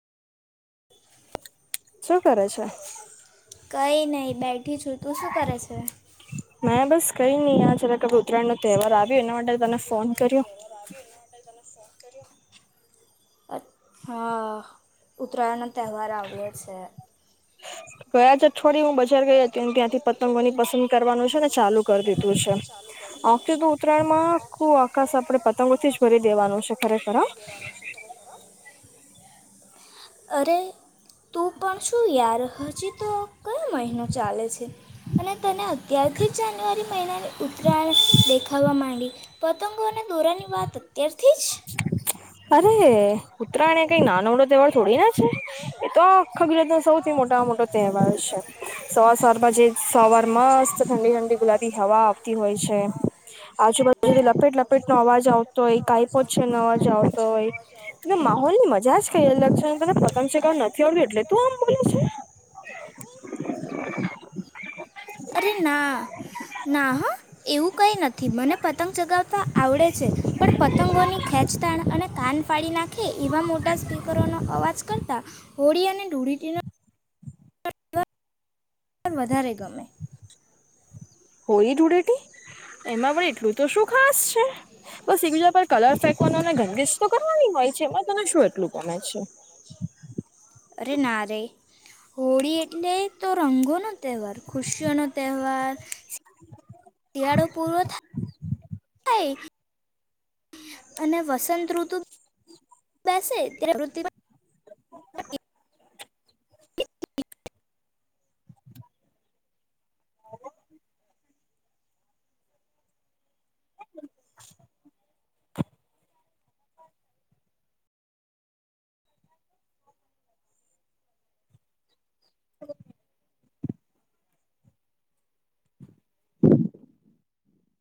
શું કરે છે? કઈ નહિ બેઠી છું. તું શું કરે છે? મેં બસ કઈ નઈ આ જરાક ઉતરાણ નો તહેવાર આવ્યો એના માટે તને ફોન કર્યો. અ હા ઉત્તરાયણનો તહેવાર આવ્યો છે ગયા જું થોડી હું બજાર ગઈ હતી ત્યાંથી પતંગોની પસંદ કરવાનું છે ને ચાલુ કરી દીધું છે આવતી તો ઉત્તરાયણ માં આખ આકાશ આપણે પતંગોથી જ ભરી દેવાનું છે ખરેખર અરે તું પણ શું યાર હજી હ [unintelligible] ન ચાલે છે અને તને અત્યારથી જ જાન્યુઆરી મહિનાની ઉત્તરાયણ દેખાવા માંડી પતંગો અને દોરાની વાત તયારથી જ અરે ઉત્તરાયણ એ કઈક નાનોવડો તહેવાર થોડી નાને છે એ તો આખા ગુજરાત ન સૌથી મોટામાં મોટો તહેવાર છે સવાર સવારમાં જે સવાર મસ્ત ઠંડી ઠંડી ગુલાબી હવા આવતી હોય છે આજુબાજુ લપેટ લપેટ ન અવાજ આવતો હોય ઓછી નો અવાજ આવતો હોય. માહોલ ની મજા જ કઈ અલગ છે તને પતંગ શગ નથી આવ્યું એટલે તું આમ બોલે છે? [inaudible] અરે હું કઈ નથી મને પતંગ ચગાવતા આવડે છે પણ પતંગોની ખેંચતાણ અને કાન ફાડી નાખ. હ એઇ મોટા સ્પીિકરનો. અવાજ કરતા, હોળી અને ધૂળીટી. પણ વધારે ગમે. હોળી, ધૂળેટી એમાં પણ એટલું તો શું ખાસ છે? બસ એકબીજા પર કલર ફેંકવાનો ગંદીશ તો કરવાની હોય. [inaudible] છે એમાં તને શું એટલું ગમે છે અરે ના રે હોળી એટલે તો રંગો. નો તહેવાર ખુશિયાનો તહેવાર. [inaudible] શિયાળો પૂર થાય થાય. અને વસંતઋતુ. [inaudible] બેસે ત્યારે વૃ [unintelligible] હ [unintelligible] [inaudible] હ [unintelligible]